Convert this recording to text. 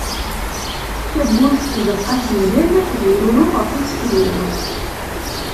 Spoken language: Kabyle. Tawwurt n tzeqqa temdel, bururu ɣef useklu.